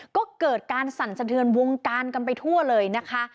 ก็เกิดการสั่นสะเทือนวงการกันไปทั่วเลยนะคะ